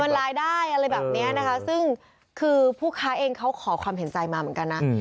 รายได้อะไรแบบนี้นะคะซึ่งคือผู้ค้าเองเขาขอความเห็นใจมาเหมือนกันนะ